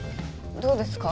どうですか？